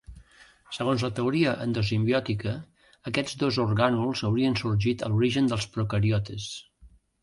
Segons la teoria endosimbiòtica, aquests dos orgànuls haurien sorgit a l'origen dels procariotes.